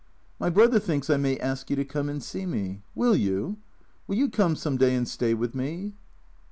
" My brother thinks I may ask you to come and see me. Will you ? Will you come some day and stay with me